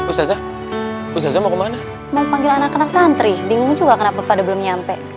ustazah ustazah mau kemana mau panggil anak anak santri bingung juga kenapa pada belum nyampe